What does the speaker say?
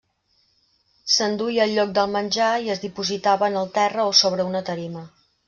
S'enduia al lloc del menjar i es dipositava en el terra o sobre una tarima.